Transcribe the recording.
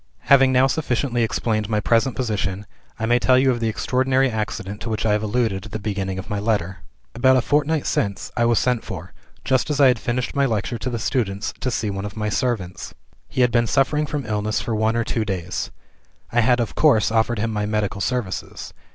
"Having now sufficiently explained my present position, I may tell you of the extraordinary accident to which I have alluded at the beginning of my letter. "About a fortnight since, I was sent for, just as I had finished my lecture to the students, to see one of my servants. He had been suffering from illness for one or two days. I had of course offered him my medical services.